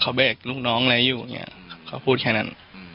เค้าแบกลูกน้องอะไรอยู่เค้าพูดแค่นั้น